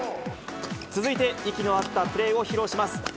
続いて息の合ったプレーを披露します。